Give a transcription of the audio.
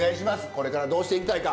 これからどうしていきたいか。